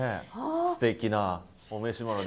すてきなお召し物で。